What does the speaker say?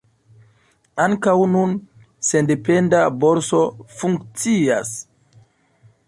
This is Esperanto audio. Ankaŭ nun sendependa borso funkcias.